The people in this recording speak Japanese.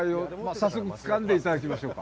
早速、つかんでいただきましょうか。